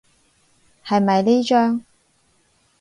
係咪呢張？